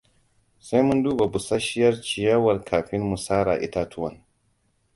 Sai mun duba busasshiyar ciyawar kafin mu sara itatuwan.